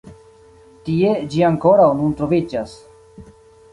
Tie ĝi ankoraŭ nun troviĝas.